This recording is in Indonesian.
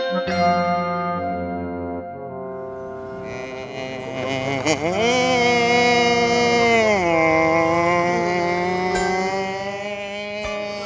terus yang nangkep mereka siapa emak